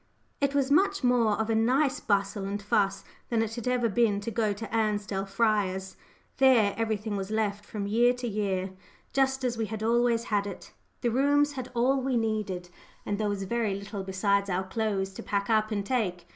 It was much more of a nice bustle and fuss than it had ever been to go to Ansdell Friars. There, everything was left from year to year just as we had always had it. The rooms had all we needed, and there was very little besides our clothes to pack up and take.